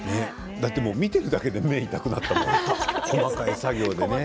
だって見ているだけで目が痛くなったもん細かい作業でね。